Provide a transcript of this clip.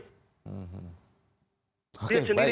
hmm oke baik